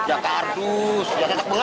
api kabur sebagainya